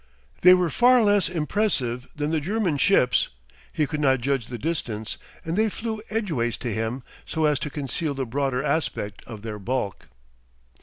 They were far less impressive than the German ships. He could not judge the distance, and they flew edgeways to him, so as to conceal the broader aspect of their bulk.